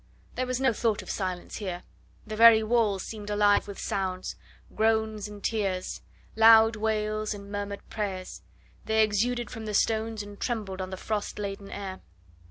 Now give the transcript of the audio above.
There was no thought of silence here. The very walls seemed alive with sounds, groans and tears, loud wails and murmured prayers; they exuded from the stones and trembled on the frost laden air.